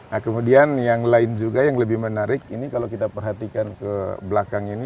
nah kemudian yang lain juga yang lebih menarik ini kalau kita perhatikan ke belakang ini